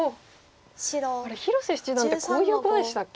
これ広瀬七段ってこういう碁でしたっけ？